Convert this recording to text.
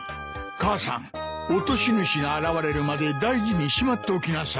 母さん落とし主が現れるまで大事にしまっておきなさい。